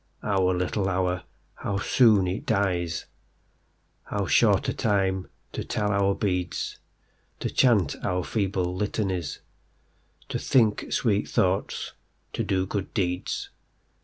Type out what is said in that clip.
Our little hour,—how soon it dies:How short a time to tell our beads, To chant our feeble Litanies, To think sweet thoughts, to do good deeds.